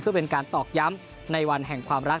เพื่อเป็นการตอกย้ำในวันแห่งความรัก